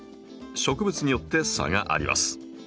植物によって差があります。